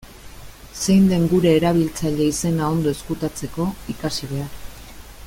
Zein den gure erabiltzaile-izena ondo ezkutatzeko, ikasi behar.